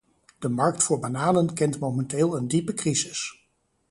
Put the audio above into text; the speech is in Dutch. De markt voor bananen kent momenteel een diepe crisis.